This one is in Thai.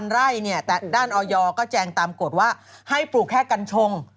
ไร่เนี่ยแต่ด้านออยก็แจงตามกฎว่าให้ปลูกแค่กัญชง